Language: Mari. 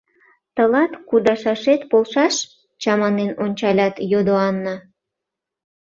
— Тылат кудашашет полшаш? — чаманен ончалят, йодо Анна.